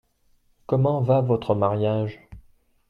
Comment va votre mariage ?